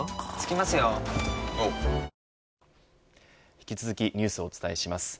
引き続きニュースをお伝えします。